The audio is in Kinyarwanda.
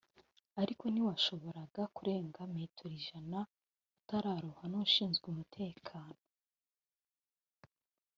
ariko ntiwashoboraga kurenga metero ijana utarahura n’ushinzwe umutekano